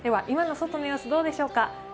今の外の様子どうでしょうか。